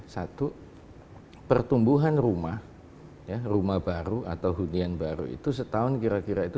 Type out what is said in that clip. satu pertumbuhan rumah ya rumah rumah baru atau hunian baru itu setahun kira kira itu